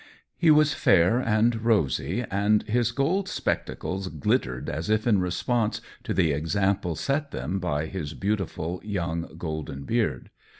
He was fair and rosy, and his gold specta cles glittered as if in response to the exam ple set them by his beautiful young golden beard.